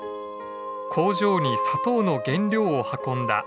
工場に砂糖の原料を運んだ十勝鉄道。